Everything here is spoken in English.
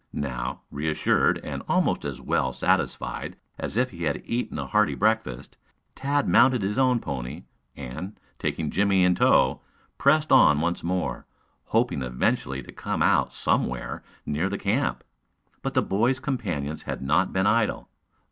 Now, reassured, and almost as well satisfied as if he had eaten a hearty breakfast, Tad mounted his own pony, and, taking Jimmie in tow, pressed on once more, hoping eventually to come out somewhere near the camp. But the boy's companions had not been idle.